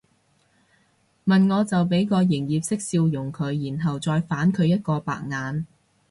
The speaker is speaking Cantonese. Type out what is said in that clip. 問我就俾個營業式笑容佢然後再反佢一個白眼